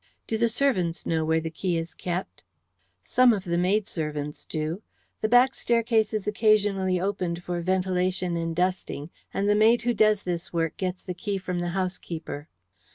"Do the servants know where the key is kept?" "Some of the maidservants do. The back staircase is occasionally opened for ventilation and dusting, and the maid who does this work gets the key from the housekeeper."